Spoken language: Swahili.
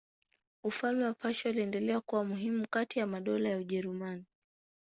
Ufalme wa Prussia uliendelea kuwa muhimu kati ya madola ya Ujerumani.